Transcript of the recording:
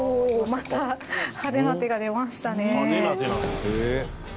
また、派手な手が出ましたね。